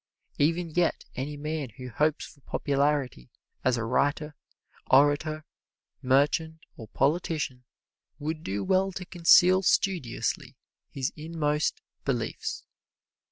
Even yet any man who hopes for popularity as a writer, orator, merchant or politician, would do well to conceal studiously his inmost beliefs.